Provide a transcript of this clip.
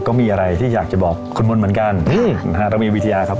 ก็มีอะไรที่อยากจะบอกคุณมนต์เหมือนกันนะฮะเรามีวิทยาครับ